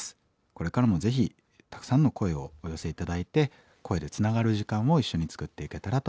これからもぜひたくさんの声をお寄せ頂いて声でつながる時間を一緒に作っていけたらと思っています。